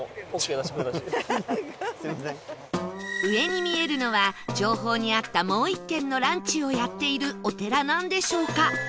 上に見えるのは情報にあったもう１軒のランチをやっているお寺なんでしょうか？